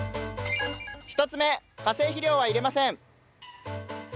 １つ目化成肥料は入れません。